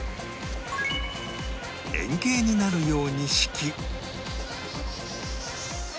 円形になるように敷き